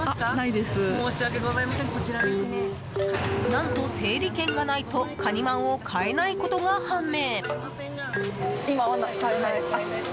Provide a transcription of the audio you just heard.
何と、整理券がないとかにまんを買えないことが判明。